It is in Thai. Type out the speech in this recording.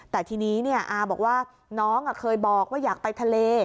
แต่ทีนี้อาบอกว่าน้องเคยบอกว่าอยากไปทะเล